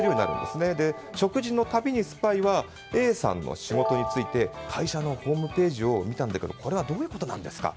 そして食事の度に、スパイはＡさんの仕事について会社のホームページを見たんだけどこれはどういうことなんですか？